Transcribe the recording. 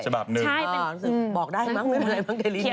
ฉบับหนึ่งใช่เป็นบอกได้มั้งไม่เป็นไรแต่เรนิวอ่ะเขียนเลย